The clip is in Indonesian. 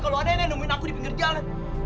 kalau ada yang nemuin aku di pinggir jalan